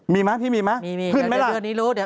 มีมั้ยขึ้นมั้ยล่ะ